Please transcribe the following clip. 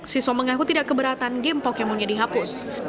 siswa mengaku tidak keberatan game pokemon nya dihapus